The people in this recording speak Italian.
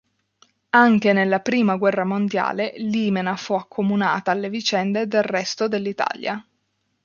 Anche nella Prima guerra mondiale Limena fu accomunata alle vicende del resto dell'Italia.